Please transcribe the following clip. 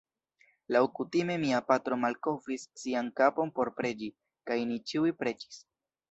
Laŭkutime mia patro malkovris sian kapon por preĝi, kaj ni ĉiuj preĝis.